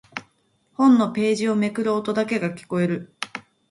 本のページをめくる音だけが聞こえる。